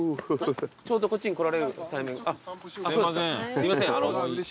すいません